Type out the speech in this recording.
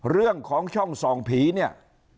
เรื่องของช่องส่องผีเนี่ย